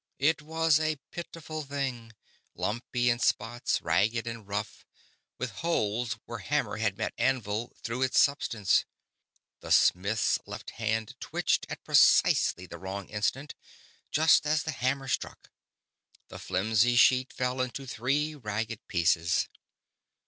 It was a pitiful thing lumpy in spots, ragged and rough, with holes where hammer had met anvil through its substance. The smith's left hand twitched at precisely the wrong instant, just as the hammer struck. The flimsy sheet fell into three ragged pieces.